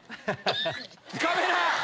カメラ